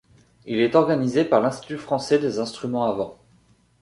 Il est organisé par l'Institut Français des Instruments à vent.